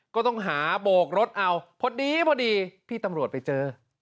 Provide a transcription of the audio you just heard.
ก็ต้องหาโบกรถเอาพอดีพอดีพี่ตำรวจไปเจอ